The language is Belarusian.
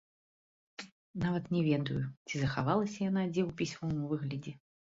Нават не ведаю, ці захавалася яна дзе ў пісьмовым выглядзе.